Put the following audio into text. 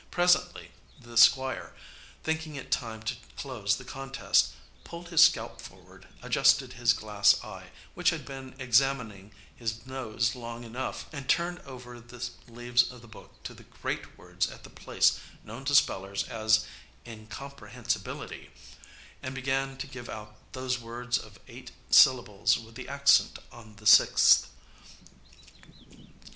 Presently the Squire, thinking it time to close the contest, pulled his scalp forward, adjusted his glass eye, which had been examining his nose long enough, and turned over the leaves of the book to the great words at the place known to spellers as "incomprehensibility," and began to give out those "words of eight syllables with the accent on the sixth."